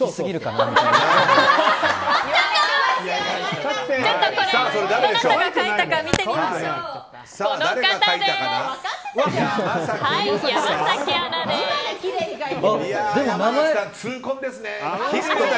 どなたか書いたか見てみましょう。